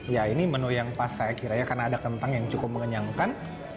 ya ini menu yang pas saya kira ya karena ada kentang yang cukup mengenyangkan